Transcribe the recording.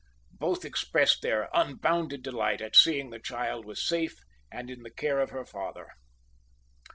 Both expressed their unbounded delight at seeing the child was safe and in the care of her father.